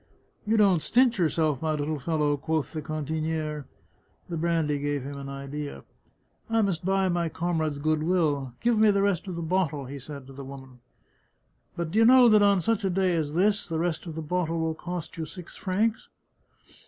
" You don't stint yourself, my little fellow !" quoth the cantiniere. The brandy gave him an idea. " I must buy my comrades' good will. Give me the rest of the bottle," he said to the woman. " But d'ye know that on such a day as this the rest of the bottle will cost you six francs